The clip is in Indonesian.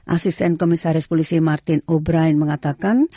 asisten komisaris polisi martin o brien mengatakan